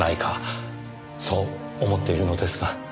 そう思っているのですが。